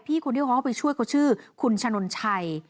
คนที่เขาไปช่วยเขาชื่อคุณชะนนชัย